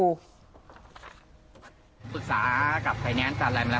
ฝึกสากับไฟแนนน์จาอะไรมาแล้ว